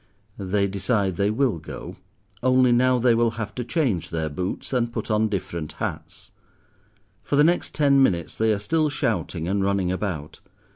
They decide they will go, only now they will have to change their boots, and put on different hats. For the next ten minutes they are still shouting and running about.